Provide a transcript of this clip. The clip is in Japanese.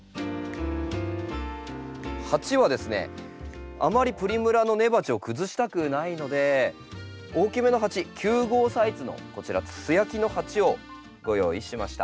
鉢はですねあまりプリムラの根鉢を崩したくないので大きめの鉢９号サイズのこちら素焼きの鉢をご用意しました。